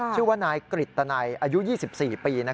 ชื่อว่านายกริตตนัยอายุ๒๔ปี